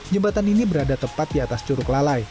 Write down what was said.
jembatan ini berada tepat di atas curug lalai